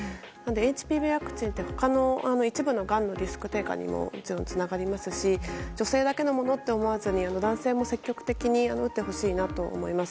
ＨＰＶワクチンって他の一部のがんのリスク低下にもつながりますし女性だけのものと思わずに男性も積極的に打ってほしいなと思います。